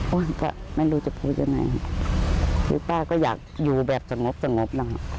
ป้าไม่รู้จะพูดยังไงที่ป้าก็อยากอยู่แบบสงบนะ